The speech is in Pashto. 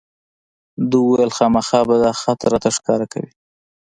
ده وویل خامخا به دا خط راته ښکاره کوې.